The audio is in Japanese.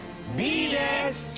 Ｂです！